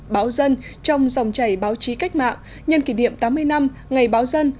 báo dân trong dòng chảy báo chí cách mạng nhân kỷ niệm tám mươi năm ngày báo dân